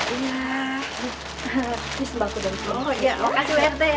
ini sembako dari bu rt